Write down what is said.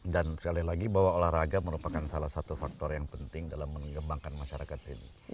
dan sekali lagi bahwa olahraga merupakan salah satu faktor yang penting dalam mengembangkan masyarakat sini